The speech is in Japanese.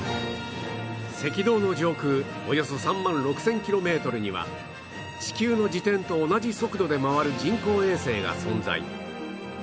赤道の上空およそ３万６０００キロメートルには地球の自転と同じ速度で回る人工衛星が存在